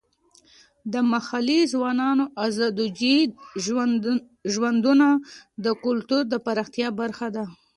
د محلي ځوانانو ازدواجي ژوندونه د کلتور د پراختیا برخه ده.